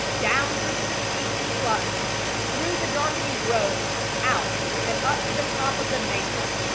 Down through the mesquite he plunged, through the darkening grove, out, and up to the top of the mesa.